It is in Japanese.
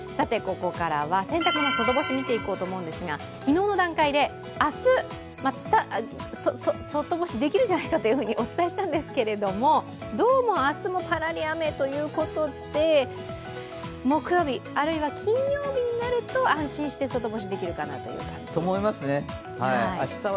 ここからは洗濯物、外干し見ていこうと思うんですが昨日の段階で、明日、外干しできるんじゃないかとお伝えしたんですけれどもどうも明日もパラリ雨ということで、木曜日、あるいは金曜日になると安心して外干しできるかなという感じです。